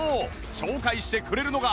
紹介してくれるのが